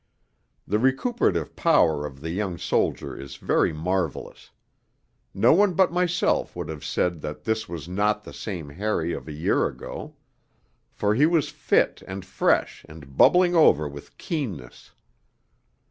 The recuperative power of the young soldier is very marvellous. No one but myself would have said that this was not the same Harry of a year ago; for he was fit and fresh and bubbling over with keenness.